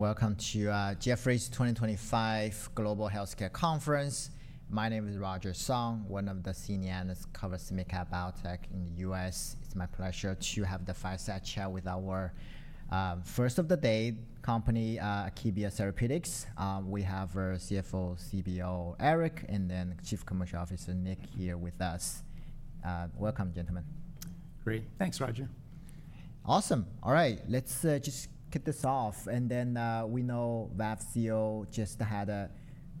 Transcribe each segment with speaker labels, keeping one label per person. Speaker 1: Welcome to Jefferies 2025 Global Healthcare Conference. My name is Roger Song, one of the senior analysts covering Medicaid Biotech in the U.S. It's my pleasure to have the five-star chair with our first of the day company, Akebia Therapeutics. We have our CFO, CBO, Erik, and then Chief Commercial Officer, Nick, here with us. Welcome, gentlemen.
Speaker 2: Great. Thanks, Roger.
Speaker 1: Awesome. All right, let's just kick this off. We know Vafseo just had a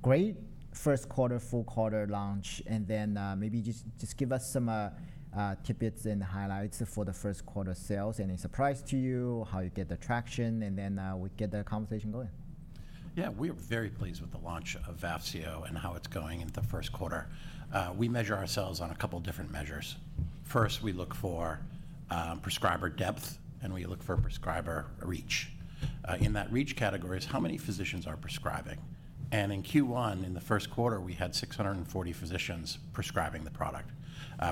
Speaker 1: great first quarter, full quarter launch. Maybe just give us some tidbits and highlights for the first quarter sales and a surprise to you, how you get the traction, and then we get the conversation going.
Speaker 2: Yeah, we are very pleased with the launch of Vafseo and how it's going in the first quarter. We measure ourselves on a couple of different measures. First, we look for prescriber depth, and we look for prescriber reach. In that reach category is how many physicians are prescribing. In Q1, in the first quarter, we had 640 physicians prescribing the product,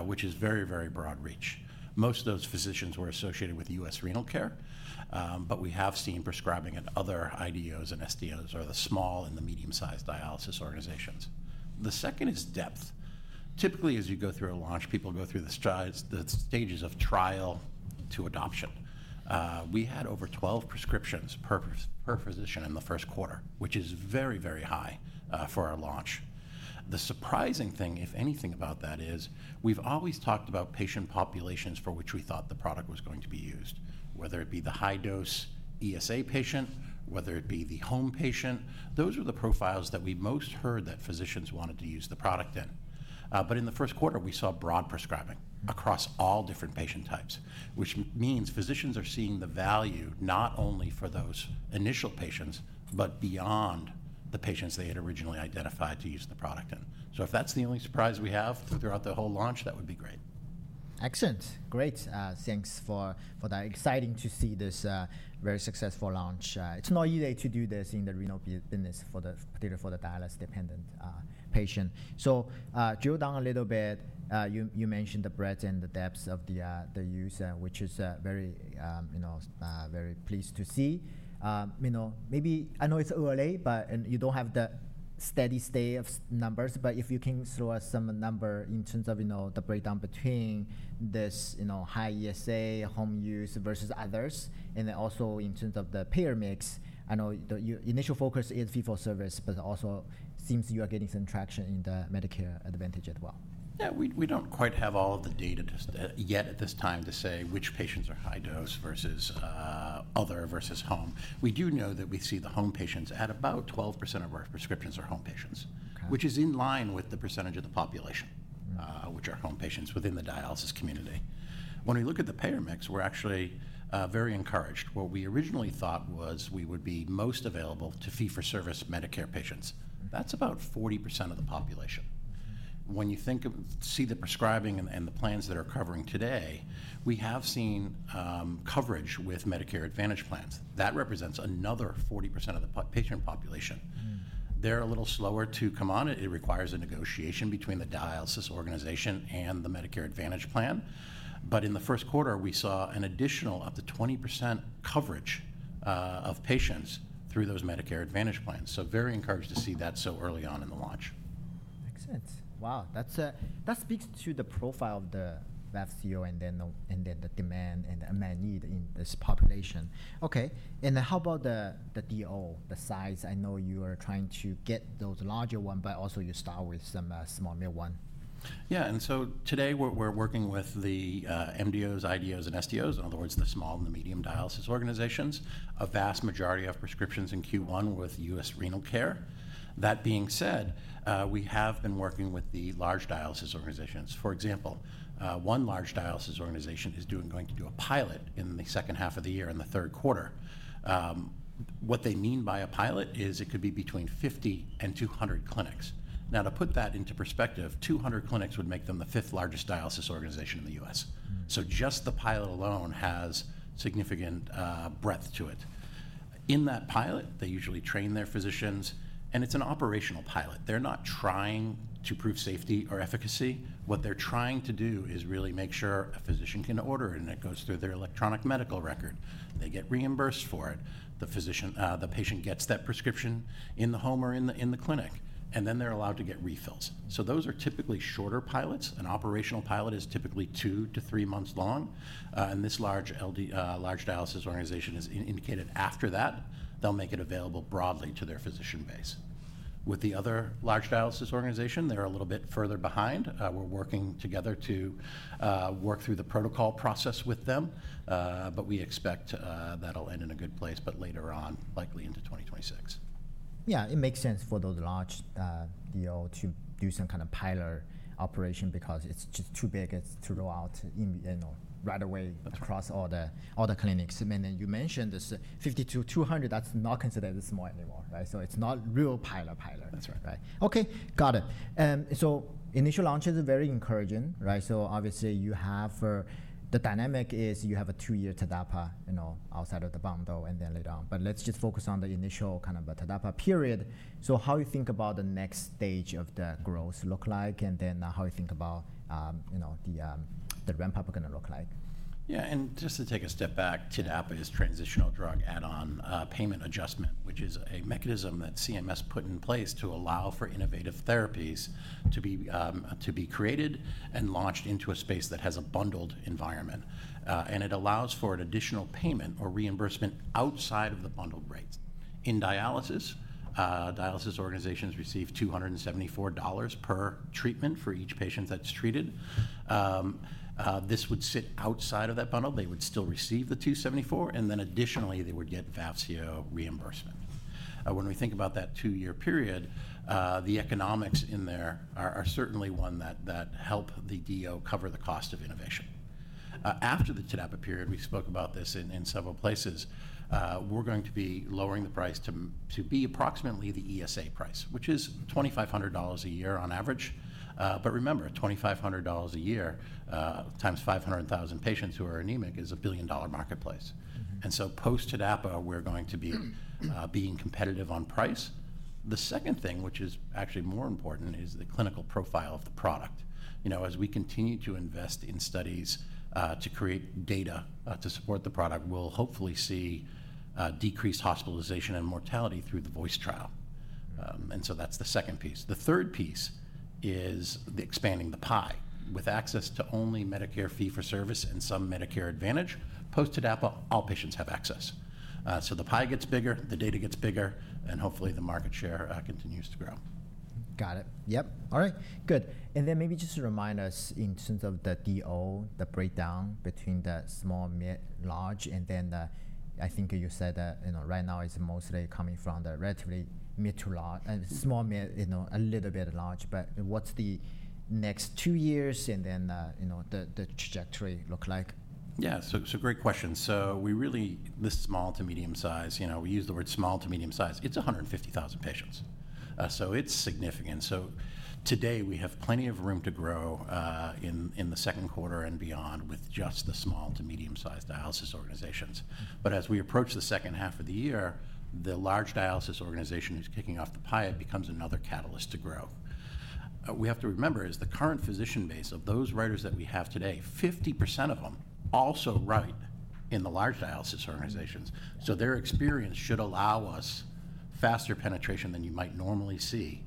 Speaker 2: which is very, very broad reach. Most of those physicians were associated with U.S. Renal Care, but we have seen prescribing at other IDOs and SDOs or the small and the medium-sized dialysis organizations. The second is depth. Typically, as you go through a launch, people go through the stages of trial to adoption. We had over 12 prescriptions per physician in the first quarter, which is very, very high for our launch. The surprising thing, if anything, about that is we've always talked about patient populations for which we thought the product was going to be used, whether it be the high-dose ESA patient, whether it be the home patient. Those are the profiles that we most heard that physicians wanted to use the product in. In the first quarter, we saw broad prescribing across all different patient types, which means physicians are seeing the value not only for those initial patients, but beyond the patients they had originally identified to use the product in. If that's the only surprise we have throughout the whole launch, that would be great.
Speaker 1: Excellent. Great. Thanks for that. Exciting to see this very successful launch. It's not easy to do this in the renal business, particularly for the dialysis-dependent patient. Drill down a little bit. You mentioned the breadth and the depth of the use, which is very pleased to see. Maybe I know it's early, but you do not have the steady state of numbers. If you can throw us some number in terms of the breakdown between this high ESA, home use versus others, and then also in terms of the payar mix, I know the initial focus is fee for service, but also seems you are getting some traction in the Medicare Advantage as well.
Speaker 2: Yeah, we do not quite have all of the data yet at this time to say which patients are high dose versus other versus home. We do know that we see the home patients at about 12% of our prescriptions are home patients, which is in line with the percentage of the population, which are home patients within the dialysis community. When we look at the payer mix, we are actually very encouraged. What we originally thought was we would be most available to fee for service Medicare patients. That is about 40% of the population. When you see the prescribing and the plans that are covering today, we have seen coverage with Medicare Advantage plans. That represents another 40% of the patient population. They are a little slower to come on. It requires a negotiation between the dialysis organization and the Medicare Advantage plan. In the first quarter, we saw an additional up to 20% coverage of patients through those Medicare Advantage plans. So very encouraged to see that so early on in the launch.
Speaker 1: Excellent. Wow, that speaks to the profile of the Vafseo and then the demand and the need in this population. Okay, and how about the DO, the size? I know you are trying to get those larger ones, but also you start with some small, mid one.
Speaker 2: Yeah, and so today we're working with the MDOs, LDOs, and SDOs, in other words, the small and the medium dialysis organizations, a vast majority of prescriptions in Q1 with U.S. Renal Care. That being said, we have been working with the large dialysis organizations. For example, one large dialysis organization is going to do a pilot in the second half of the year in the third quarter. What they mean by a pilot is it could be between 50 and 200 clinics. Now, to put that into perspective, 200 clinics would make them the fifth largest dialysis organization in the U.S. Just the pilot alone has significant breadth to it. In that pilot, they usually train their physicians, and it's an operational pilot. They're not trying to prove safety or efficacy. What they're trying to do is really make sure a physician can order it, and it goes through their electronic medical record. They get reimbursed for it. The patient gets that prescription in the home or in the clinic, and then they're allowed to get refills. Those are typically shorter pilots. An operational pilot is typically two to three months long. This large dialysis organization is indicated after that. They'll make it available broadly to their physician base. With the other large dialysis organization, they're a little bit further behind. We're working together to work through the protocol process with them. We expect that'll end in a good place, but later on, likely into 2026.
Speaker 1: Yeah, it makes sense for those large DO to do some kind of pilot operation because it's just too big to roll out right away across all the clinics. You mentioned this 50-200, that's not considered small anymore, right? It's not real pilot pilot.
Speaker 2: That's right.
Speaker 1: Okay, got it. Initial launch is very encouraging, right? Obviously you have the dynamic is you have a two-year TDAPA outside of the bundle and then later on. Let's just focus on the initial kind of TDAPA period. How do you think about the next stage of the growth look like, and then how do you think about the ramp-up going to look like?
Speaker 2: Yeah, and just to take a step back, TDAPA is Transitional Drug Add-on Payment Adjustment, which is a mechanism that CMS put in place to allow for innovative therapies to be created and launched into a space that has a bundled environment. It allows for an additional payment or reimbursement outside of the bundled rates. In dialysis, dialysis organizations receive $274 per treatment for each patient that's treated. This would sit outside of that bundle. They would still receive the $274, and then additionally, they would get Vafseo reimbursement. When we think about that two-year period, the economics in there are certainly one that help the DO cover the cost of innovation. After the TDAPA period, we spoke about this in several places. We're going to be lowering the price to be approximately the ESA price, which is $2,500 a year on average. Remember, $2,500 a year times 500,000 patients who are anemic is a billion-dollar marketplace. Post-TDAPA, we're going to be being competitive on price. The second thing, which is actually more important, is the clinical profile of the product. As we continue to invest in studies to create data to support the product, we'll hopefully see decreased hospitalization and mortality through the VOICE trial. That's the second piece. The third piece is expanding the pie with access to only Medicare fee for service and some Medicare Advantage. Post-TDAPA, all patients have access. The pie gets bigger, the data gets bigger, and hopefully the market share continues to grow.
Speaker 1: Got it. Yep. All right. Good. Maybe just to remind us in terms of the DO, the breakdown between the small, mid, large, and then I think you said that right now it's mostly coming from the relatively mid to small, a little bit large. What do the next two years and then the trajectory look like?
Speaker 2: Yeah, so great question. We really list small to medium size. We use the word small to medium size. It is 150,000 patients, so it is significant. Today we have plenty of room to grow in the second quarter and beyond with just the small to medium-sized dialysis organizations. As we approach the second half of the year, the large dialysis organization who is kicking off the pilot becomes another catalyst to grow. What we have to remember is the current physician base of those writers that we have today, 50% of them also write in the large dialysis organizations. Their experience should allow us faster penetration than you might normally see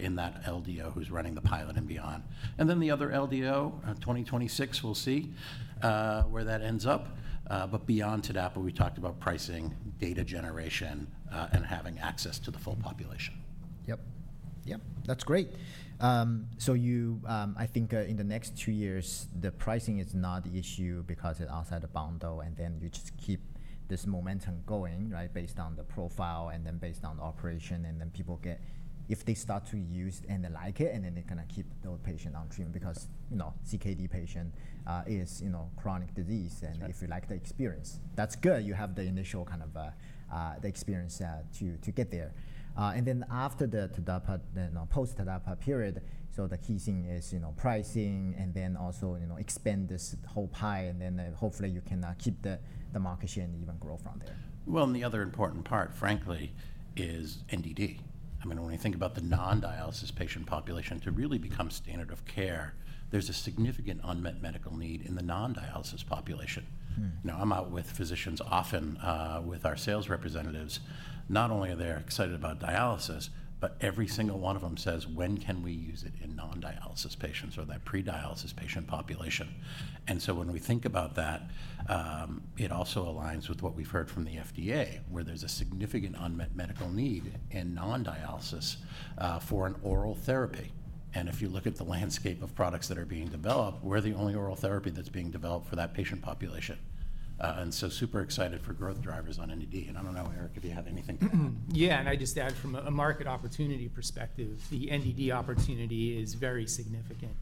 Speaker 2: in that LDO who is running the pilot and beyond. The other LDO, 2026, we will see where that ends up. Beyond TDAPA, we talked about pricing, data generation, and having access to the full population.
Speaker 1: Yep. Yep. That's great. I think in the next two years, the pricing is not the issue because it's outside the bundle, and you just keep this momentum going, right, based on the profile and then based on the operation. People get, if they start to use and they like it, and then they kind of keep those patients on treatment because CKD patient is chronic disease. If you like the experience, that's good. You have the initial kind of the experience to get there. After the TDAPA, then post-TDAPA period, the key thing is pricing and then also expand this whole pie. Hopefully you can keep the market share and even grow from there.
Speaker 2: The other important part, frankly, is NDD. I mean, when we think about the non-dialysis patient population to really become standard of care, there's a significant unmet medical need in the non-dialysis population. Now, I'm out with physicians often with our sales representatives. Not only are they excited about dialysis, but every single one of them says, when can we use it in non-dialysis patients or that pre-dialysis patient population? When we think about that, it also aligns with what we've heard from the FDA, where there's a significant unmet medical need in non-dialysis for an oral therapy. If you look at the landscape of products that are being developed, we're the only oral therapy that's being developed for that patient population. Super excited for growth drivers on NDD. I don't know, Erik, if you have anything.
Speaker 3: Yeah, and I just add from a market opportunity perspective, the NDD opportunity is very significant.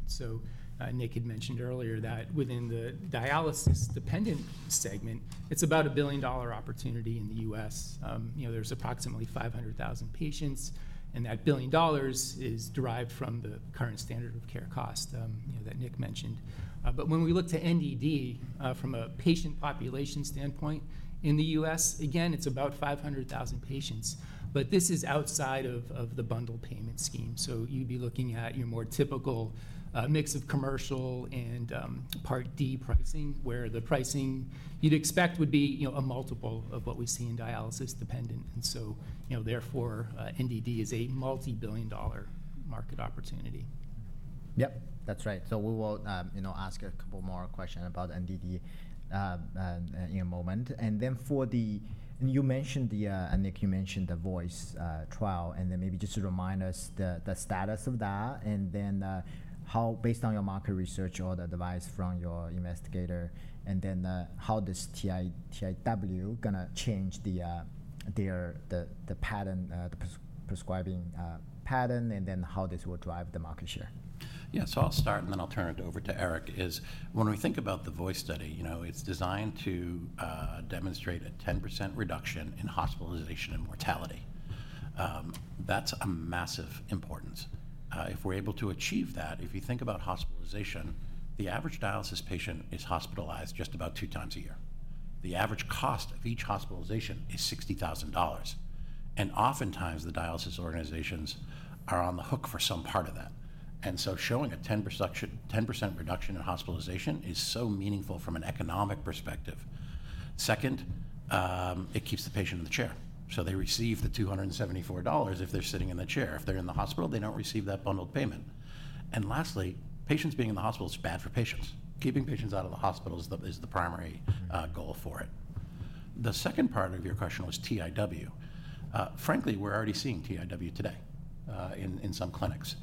Speaker 3: Nick had mentioned earlier that within the dialysis-dependent segment, it's about a $1 billion opportunity in the U.S. There's approximately 500,000 patients, and that $1 billion is derived from the current standard of care cost that Nick mentioned. When we look to NDD from a patient population standpoint in the U.S., again, it's about 500,000 patients. This is outside of the bundle payment scheme. You'd be looking at your more typical mix of commercial and Part D pricing, where the pricing you'd expect would be a multiple of what we see in dialysis-dependent. Therefore, NDD is a multi-billion dollar market opportunity.
Speaker 1: Yep, that's right. We will ask a couple more questions about NDD in a moment. You mentioned the, and Nick, you mentioned the VOICE trial, and maybe just to remind us the status of that, and then how, based on your market research or the advice from your investigator, how this TIW is going to change the pattern, the prescribing pattern, and how this will drive the market share.
Speaker 2: Yeah, so I'll start, and then I'll turn it over to Erik. When we think about the VOICE study, it's designed to demonstrate a 10% reduction in hospitalization and mortality. That's a massive importance. If we're able to achieve that, if you think about hospitalization, the average dialysis patient is hospitalized just about two times a year. The average cost of each hospitalization is $60,000. Oftentimes, the dialysis organizations are on the hook for some part of that. Showing a 10% reduction in hospitalization is so meaningful from an economic perspective. Second, it keeps the patient in the chair. They receive the $274 if they're sitting in the chair. If they're in the hospital, they don't receive that bundled payment. Lastly, patients being in the hospital is bad for patients. Keeping patients out of the hospital is the primary goal for it. The second part of your question was TIW. Frankly, we're already seeing TIW today in some clinics.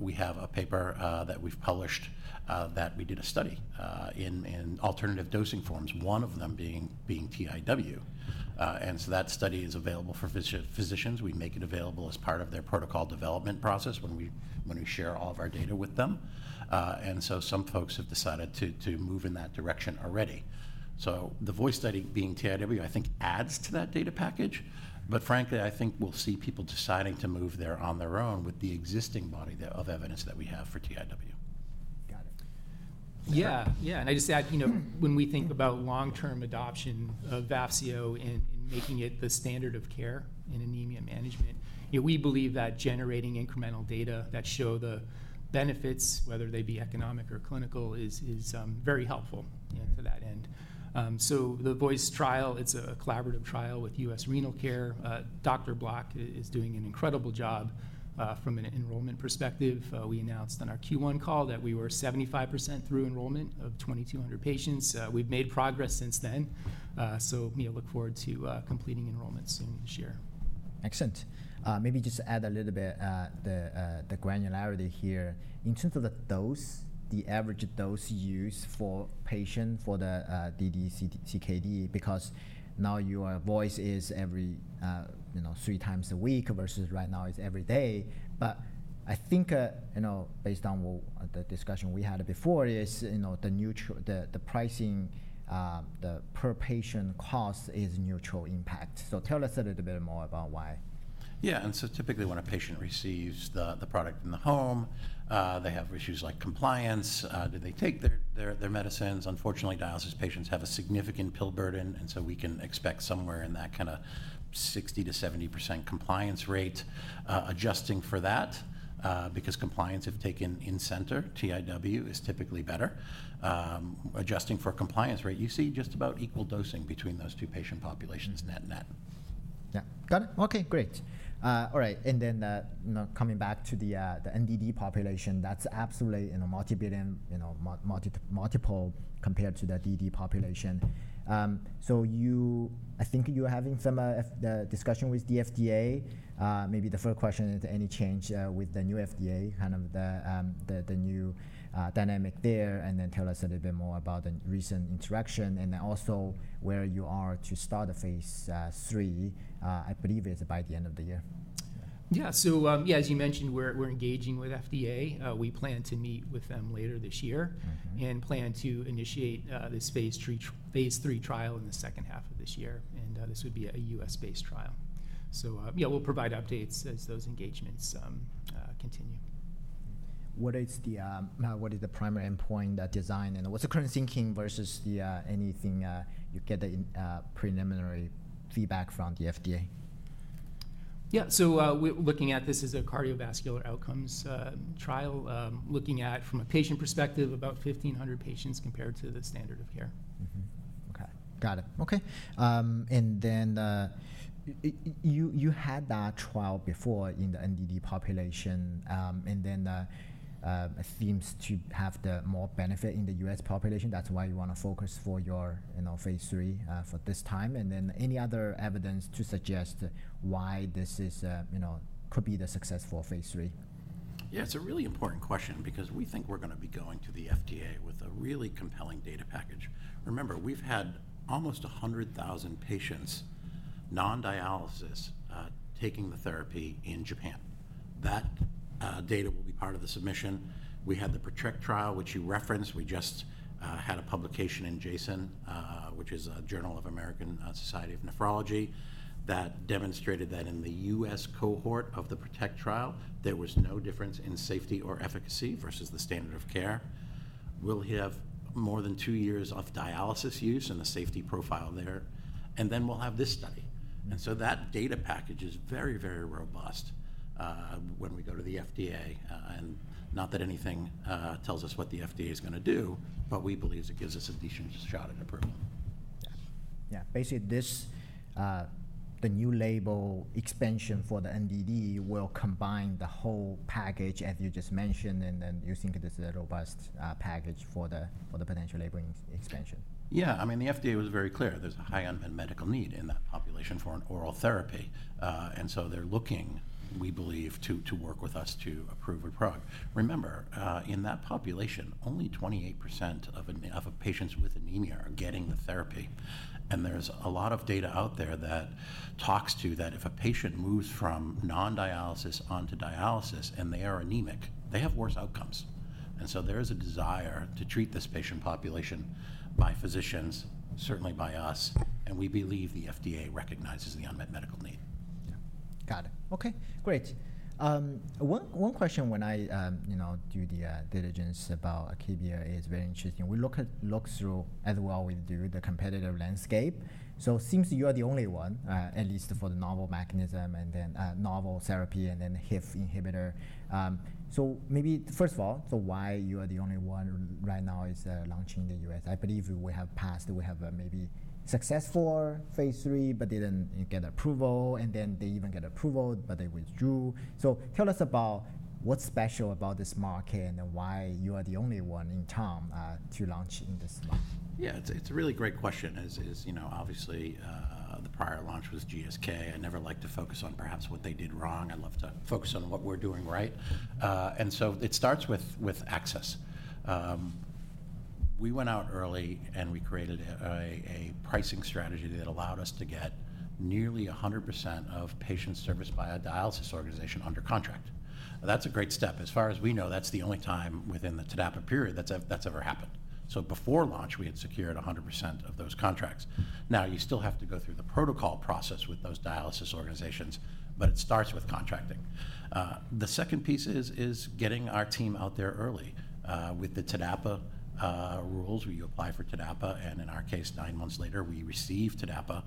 Speaker 2: We have a paper that we've published that we did a study in alternative dosing forms, one of them being TIW. That study is available for physicians. We make it available as part of their protocol development process when we share all of our data with them. Some folks have decided to move in that direction already. The VOICE study being TIW, I think adds to that data package. Frankly, I think we'll see people deciding to move there on their own with the existing body of evidence that we have for TIW.
Speaker 1: Got it.
Speaker 3: Yeah, yeah. I just add, when we think about long-term adoption of Vafseo and making it the standard of care in anemia management, we believe that generating incremental data that show the benefits, whether they be economic or clinical, is very helpful to that end. The VOICE trial, it's a collaborative trial with U.S. Renal Care. Dr. Block is doing an incredible job from an enrollment perspective. We announced on our Q1 call that we were 75% through enrollment of 2,200 patients. We've made progress since then. We look forward to completing enrollment soon this year.
Speaker 1: Excellent. Maybe just add a little bit the granularity here in terms of the dose, the average dose used for patients for the DD-CKD, because now your VOICE is every three times a week versus right now it's every day. I think based on the discussion we had before is the pricing, the per patient cost is neutral impact. Tell us a little bit more about why.
Speaker 2: Yeah, and so typically when a patient receives the product in the home, they have issues like compliance. Do they take their medicines? Unfortunately, dialysis patients have a significant pill burden, and so we can expect somewhere in that kind of 60%-70% compliance rate. Adjusting for that, because compliance if taken in center, TIW is typically better. Adjusting for compliance rate, you see just about equal dosing between those two patient populations, net-net.
Speaker 1: Yeah, got it. Okay, great. All right. Coming back to the NDD population, that's absolutely multi-billion, multiple compared to the DD population. I think you're having some discussion with the FDA. Maybe the first question is any change with the new FDA, kind of the new dynamic there? Tell us a little bit more about the recent interaction, and also where you are to start the phase three. I believe it's by the end of the year.
Speaker 3: Yeah, so yeah, as you mentioned, we're engaging with FDA. We plan to meet with them later this year and plan to initiate this phase III trial in the second half of this year. This would be a U.S.-based trial. Yeah, we'll provide updates as those engagements continue.
Speaker 1: What is the primary endpoint design and what's the current thinking versus anything you get the preliminary feedback from the FDA?
Speaker 3: Yeah, so we're looking at this as a cardiovascular outcomes trial, looking at from a patient perspective, about 1,500 patients compared to the standard of care.
Speaker 1: Okay, got it. Okay. You had that trial before in the NDD population, and it seems to have the more benefit in the U.S. population. That's why you want to focus for your phase three for this time. Any other evidence to suggest why this could be the success for phase three?
Speaker 2: Yeah, it's a really important question because we think we're going to be going to the FDA with a really compelling data package. Remember, we've had almost 100,000 patients non-dialysis taking the therapy in Japan. That data will be part of the submission. We had the PRO2TECT trial, which you referenced. We just had a publication in JASN, which is a Journal of the American Society of Nephrology, that demonstrated that in the U.S. cohort of the PRO2TECT trial, there was no difference in safety or efficacy versus the standard of care. We'll have more than two years of dialysis use and the safety profile there. We will have this study. That data package is very, very robust when we go to the FDA. Not that anything tells us what the FDA is going to do, but we believe it gives us a decent shot at improvement.
Speaker 1: Yeah, yeah, basically the new label expansion for the NDD will combine the whole package, as you just mentioned, and then you think this is a robust package for the potential labeling expansion.
Speaker 2: Yeah, I mean, the FDA was very clear. There's a high unmet medical need in that population for an oral therapy. They are looking, we believe, to work with us to approve a drug. Remember, in that population, only 28% of patients with anemia are getting the therapy. There's a lot of data out there that talks to that if a patient moves from non-dialysis onto dialysis and they are anemic, they have worse outcomes. There is a desire to treat this patient population by physicians, certainly by us. We believe the FDA recognizes the unmet medical need.
Speaker 1: Yeah, got it. Okay, great. One question when I do the diligence about Akebia is very interesting. We look through as well with the competitive landscape. It seems you are the only one, at least for the novel mechanism and then novel therapy and then HIF inhibitor. Maybe first of all, why you are the only one right now is launching the U.S. I believe we have passed, we have maybe successful phase, but did not get approval. They even got approval, but they withdrew. Tell us about what is special about this market and why you are the only one in town to launch in this market.
Speaker 2: Yeah, it's a really great question. As obviously, the prior launch was GSK. I never like to focus on perhaps what they did wrong. I love to focus on what we're doing right. It starts with access. We went out early and we created a pricing strategy that allowed us to get nearly 100% of patients serviced by a dialysis organization under contract. That's a great step. As far as we know, that's the only time within the TDAPA period that's ever happened. Before launch, we had secured 100% of those contracts. You still have to go through the protocol process with those dialysis organizations, but it starts with contracting. The second piece is getting our team out there early with the TDAPA rules. We apply for TDAPA and in our case, nine months later, we received TDAPA.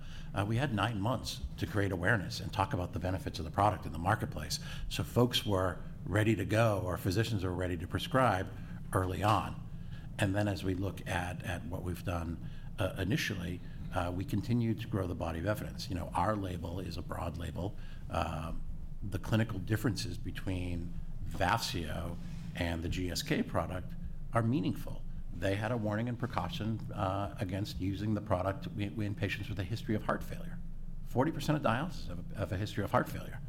Speaker 2: We had nine months to create awareness and talk about the benefits of the product in the marketplace. Folks were ready to go or physicians were ready to prescribe early on. As we look at what we've done initially, we continue to grow the body of evidence. Our label is a broad label. The clinical differences between Vafseo and the GSK product are meaningful. They had a warning and precaution against using the product in patients with a history of heart failure. 40% of dialysis have a history of heart failure.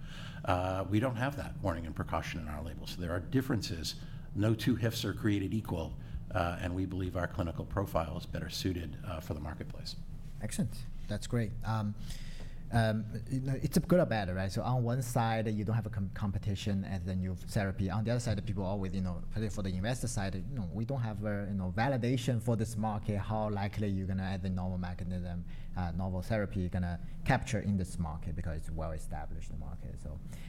Speaker 2: We do not have that warning and precaution in our label. There are differences. No two HIFs are created equal. We believe our clinical profile is better suited for the marketplace.
Speaker 1: Excellent. That's great. It's good or bad, right? On one side, you don't have a competition and then you have therapy. On the other side, people are always, for the investor side, we don't have validation for this market, how likely you're going to have the novel mechanism, novel therapy going to capture in this market because it's a well-established market.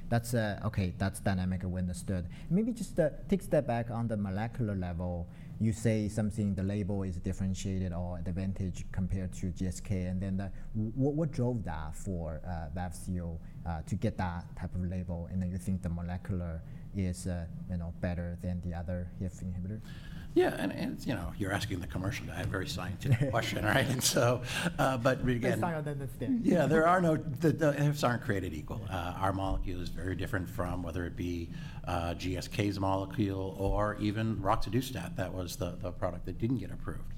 Speaker 1: That's okay. That's dynamically understood. Maybe just take a step back on the molecular level. You say something the label is differentiated or advantage compared to GSK. What drove that for Vafseo to get that type of label? Do you think the molecular is better than the other HIF inhibitor?
Speaker 2: Yeah, and you're asking the commercial guy a very scientific question, right? Again. Yeah, there are no HIFs aren't created equal. Our molecule is very different from whether it be GSK's molecule or even Roxadustat. That was the product that didn't get approved.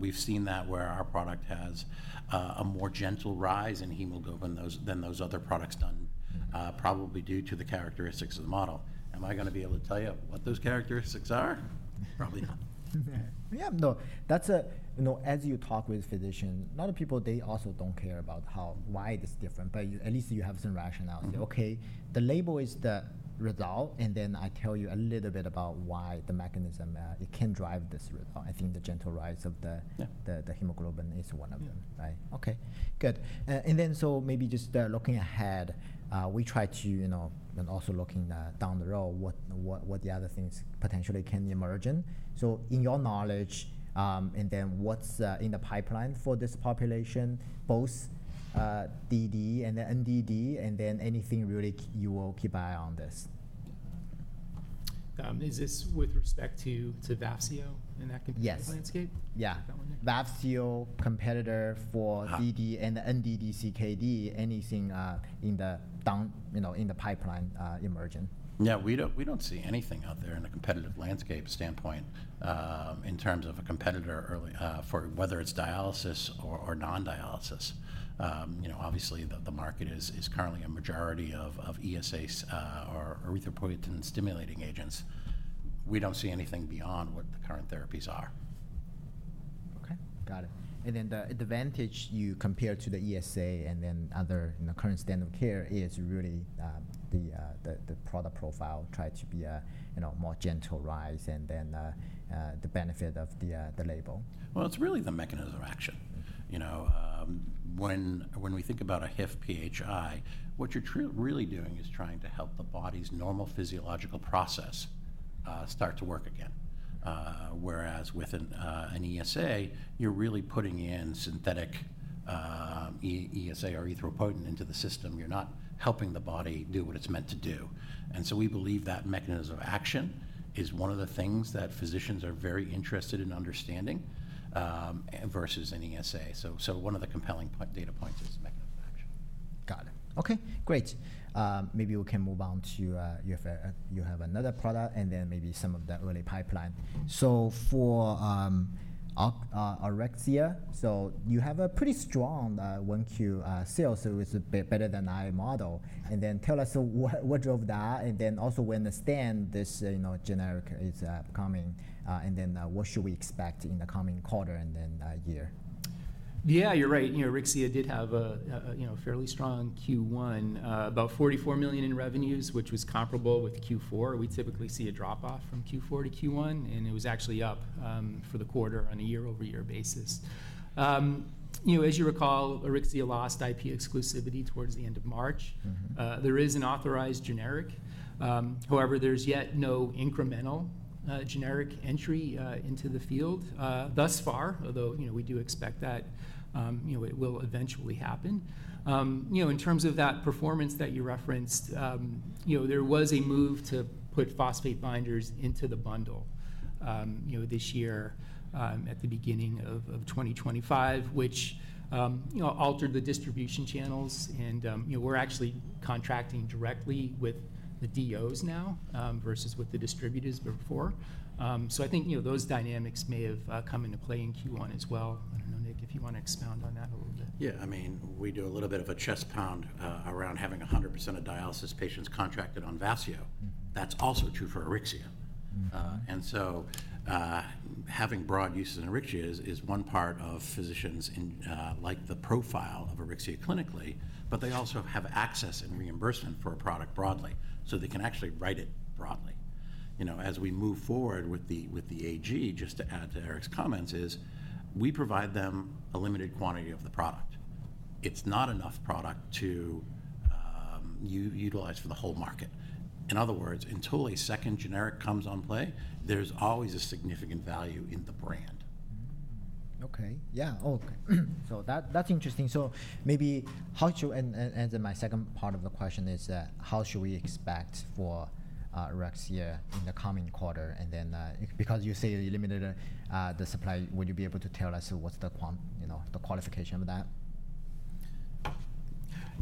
Speaker 2: We've seen that where our product has a more gentle rise in hemoglobin than those other products done, probably due to the characteristics of the model. Am I going to be able to tell you what those characteristics are?
Speaker 1: Probably not.
Speaker 3: Yeah, no, as you talk with physicians, a lot of people, they also don't care about why it is different, but at least you have some rationale. Okay, the label is the result, and then I tell you a little bit about why the mechanism can drive this result. I think the gentle rise of the hemoglobin is one of them, right?
Speaker 1: Okay, good. Maybe just looking ahead, we try to also look down the road what the other things potentially can emerge. In your knowledge, and then what's in the pipeline for this population, both DD and NDD, and then anything really you will keep eye on this.
Speaker 3: Is this with respect to Vafseo in that competitive landscape?
Speaker 1: Yeah, Vafseo competitor for DD-CKD and NDD-CKD, anything in the pipeline emerging?
Speaker 2: Yeah, we don't see anything out there in a competitive landscape standpoint in terms of a competitor for whether it's dialysis or non-dialysis. Obviously, the market is currently a majority of ESAs or erythropoiesis-stimulating agents. We don't see anything beyond what the current therapies are.
Speaker 1: Okay, got it. The advantage you compare to the ESA and then other current standard of care is really the product profile tries to be a more gentle rise and then the benefit of the label.
Speaker 2: It's really the mechanism of action. When we think about a HIF-PH inhibitor, what you're really doing is trying to help the body's normal physiological process start to work again. Whereas with an ESA, you're really putting in synthetic ESA or erythropoietin into the system. You're not helping the body do what it's meant to do. We believe that mechanism of action is one of the things that physicians are very interested in understanding versus an ESA. One of the compelling data points is mechanism of action.
Speaker 1: Got it. Okay, great. Maybe we can move on to you have another product and then maybe some of the early pipeline. So for AURYXIA so you have a pretty strong 1Q sales, so it's a bit better than our model. And then tell us what drove that, and then also we understand this generic is coming, and then what should we expect in the coming quarter and then year?
Speaker 3: Yeah, you're right. AURYXIA did have a fairly strong Q1, about $44 million in revenues, which was comparable with Q4. We typically see a drop-off from Q4 to Q1, and it was actually up for the quarter on a year-over-year basis. As you recall, AURYXIA lost IP exclusivity towards the end of March. There is an authorized generic. However, there's yet no incremental generic entry into the field thus far, although we do expect that it will eventually happen. In terms of that performance that you referenced, there was a move to put phosphate binders into the bundle this year at the beginning of 2025, which altered the distribution channels. We're actually contracting directly with the DOs now versus with the distributors before. I think those dynamics may have come into play in Q1 as well. I don't know, Nick, if you want to expound on that a little bit.
Speaker 2: Yeah, I mean, we do a little bit of a chest pound around having 100% of dialysis patients contracted on Vafseo. That's also true for AURYXIA. And so having broad uses in AURYXIA is one part of physicians like the profile of AURYXIA clinically, but they also have access and reimbursement for a product broadly. So they can actually write it broadly. As we move forward with the AG, just to add to Erik's comments, is we provide them a limited quantity of the product. It's not enough product to utilize for the whole market. In other words, until a second generic comes on play, there's always a significant value in the brand.
Speaker 1: Okay, yeah, okay. That's interesting. Maybe how should, and then my second part of the question is how should we expect for AURYXIA in the coming quarter? Because you say you limited the supply, would you be able to tell us what's the qualification of that?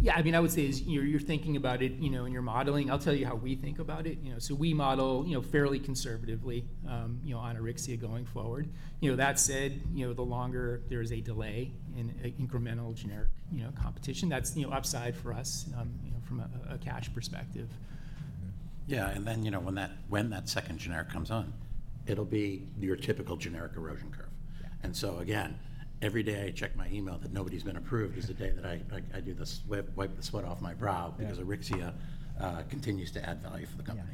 Speaker 3: Yeah, I mean, I would say you're thinking about it in your modeling. I'll tell you how we think about it. We model fairly conservatively on AURYXIA going forward. That said, the longer there is a delay in incremental generic competition, that's upside for us from a cash perspective.
Speaker 2: Yeah, and then when that second generic comes on, it'll be your typical generic erosion curve. Again, every day I check my email that nobody's been approved is the day that I do the wipe the sweat off my brow because AURYXIA continues to add value for the company.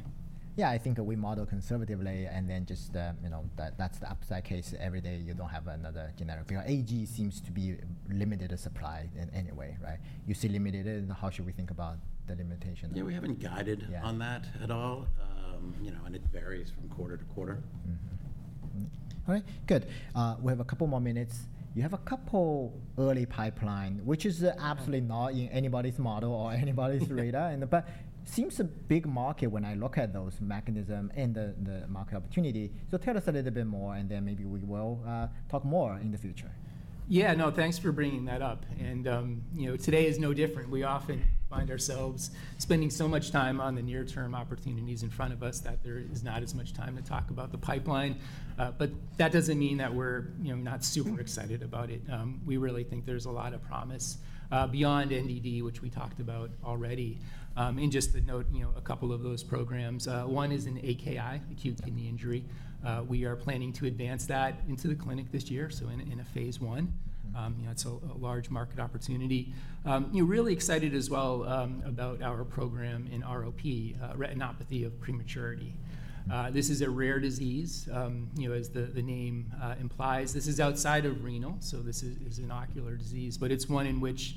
Speaker 1: Yeah, I think we model conservatively, and then just that's the upside case. Every day you don't have another generic. AG seems to be limited supply in any way, right? You see limited, and how should we think about the limitation?
Speaker 2: Yeah, we haven't guided on that at all. It varies from quarter- to-quarter.
Speaker 1: All right, good. We have a couple more minutes. You have a couple early pipeline, which is absolutely not in anybody's model or anybody's radar. But seems a big market when I look at those mechanisms and the market opportunity. So tell us a little bit more, and then maybe we will talk more in the future.
Speaker 3: Yeah, no, thanks for bringing that up. Today is no different. We often find ourselves spending so much time on the near-term opportunities in front of us that there is not as much time to talk about the pipeline. That does not mean that we are not super excited about it. We really think there is a lot of promise beyond NDD, which we talked about already. Just to note a couple of those programs. One is in AKI, acute kidney injury. We are planning to advance that into the clinic this year, so in a phase I. It is a large market opportunity. Really excited as well about our program in ROP, retinopathy of prematurity. This is a rare disease, as the name implies. This is outside of renal. This is an ocular disease, but it's one in which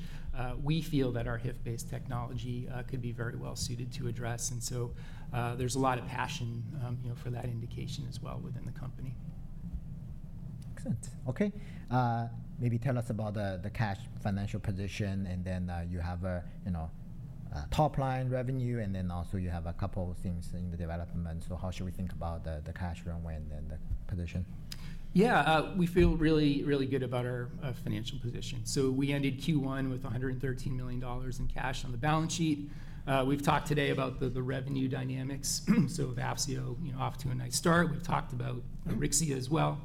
Speaker 3: we feel that our HIF-based technology could be very well suited to address. There is a lot of passion for that indication as well within the company.
Speaker 1: Excellent. Okay, maybe tell us about the cash financial position, and then you have top line revenue, and then also you have a couple of things in the development. How should we think about the cash runway and then the position?
Speaker 3: Yeah, we feel really, really good about our financial position. We ended Q1 with $113 million in cash on the balance sheet. We have talked today about the revenue dynamics. Vafseo is off to a nice start. We have talked about AURYXIA as well.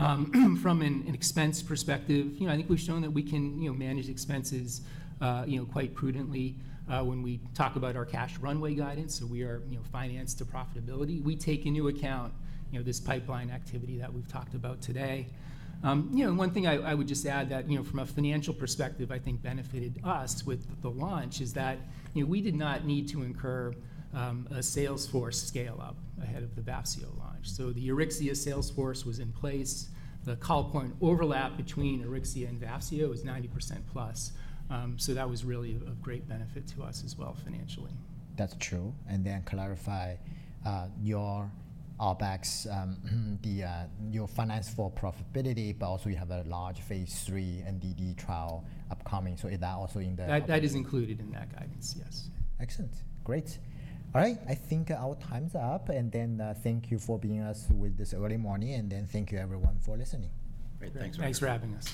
Speaker 3: From an expense perspective, I think we have shown that we can manage expenses quite prudently when we talk about our cash runway guidance. We are financed to profitability. We take into account this pipeline activity that we have talked about today. One thing I would just add that from a financial perspective, I think benefited us with the launch is that we did not need to incur a sales force scale-up ahead of the Vafseo launch. The AURYXIA sales force was in place. The call point overlap between AURYXIA and Vafseo is 90% +. That was really a great benefit to us as well financially.
Speaker 1: That's true. And then clarify your OpEx, your finance for profitability, but also you have a large phase III NDD trial upcoming. So is that also in the?
Speaker 3: That is included in that guidance, yes.
Speaker 1: Excellent. Great. All right, I think our time's up. Thank you for being with us this early morning. Thank you everyone for listening.
Speaker 2: Great, thanks for having us.
Speaker 3: Thanks for having us.